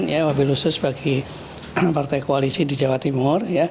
ya wabil khusus bagi partai koalisi di jawa timur